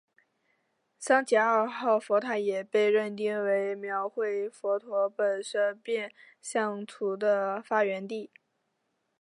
桑吉二号佛塔也被认定为描绘佛陀本生变相图的发源地。